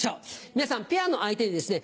皆さんペアの相手にですね